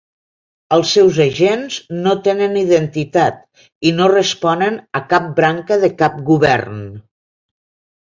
Els seus agents no tenen identitat i no responen a cap branca de cap govern.